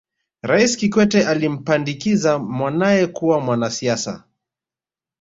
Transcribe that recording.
raisi kikwete alimpandikiza mwanae kuwa mwanasiasa